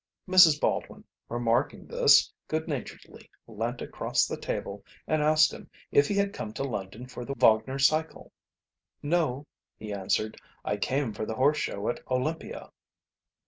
Mrs. Baldwin, remarking this, good naturedly leant across the table and asked him if he had come to London for the Wagner cycle. "No," he answered, "I came for the Horse Show at Olympia."